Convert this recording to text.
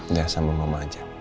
udah sama mama aja